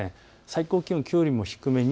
最高気温はきょうより低め